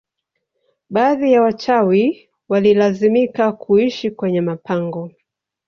Baadhi ya wachawi walilazimika kuishi kwenye mapango